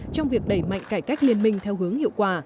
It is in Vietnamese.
trong việc đẩy mạnh cải cách liên minh theo hướng hiệu quả